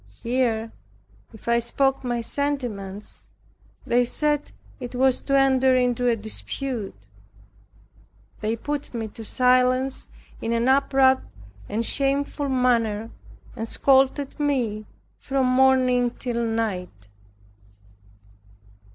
Here, if I spoke my sentiments, they said it was to enter into a dispute. They put me to silence in an abrupt and shameful manner, and scolded me from morning till night.